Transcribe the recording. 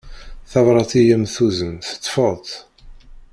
Tabrat i am-d-tuzen teṭṭfeḍ-tt.